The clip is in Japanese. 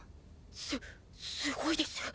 すすごいです。